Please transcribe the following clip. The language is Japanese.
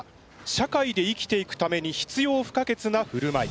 社会で生きていくために必要不可欠なふるまい。